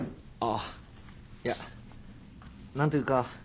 あいや何ていうか。